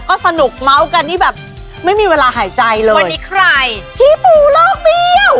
ก็สนุกเมาส์กันนี่แบบไม่มีเวลาหายใจเลยวันนี้ใครพี่ปูโลกเบี้ยว